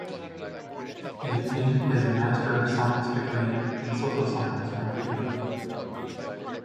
He obtained his Master of Science degree in Social Science from Cuba.